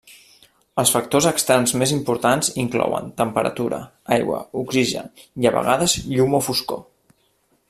Els factors externs més importants inclouen: temperatura, aigua, oxigen i a vegades llum o foscor.